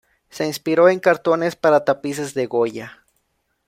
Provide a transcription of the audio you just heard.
Se inspiró en cartones para tapices de Goya.